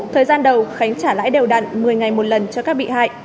thời gian đầu khánh trả lãi đều đặn một mươi ngày một lần cho các bị hại